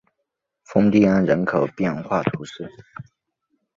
丰蒂安人口变化图示